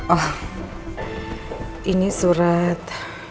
oh ini surat